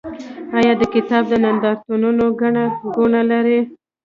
آیا د کتاب نندارتونونه ګڼه ګوڼه نلري؟